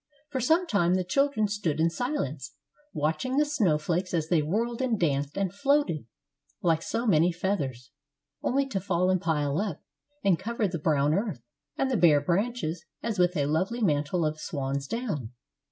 For some time the children stood in silence, watching the snow flakes as they whirled and danced and floated like so many feathers, only to fall and pile up and cover the brown earth and the bare branches as with a lovely mantle of swan's down.